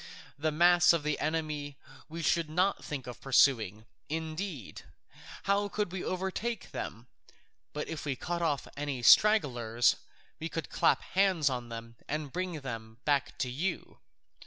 The mass of the enemy we should not think of pursuing; indeed, how could we overtake them? But if we cut off any stragglers, we could clap hands on them and bring them back to you.